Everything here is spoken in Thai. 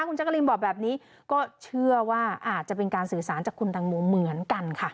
คุณจักรินบอกแบบนี้ก็เชื่อว่าอาจจะเป็นการสื่อสารจากคุณตังโมเหมือนกันค่ะ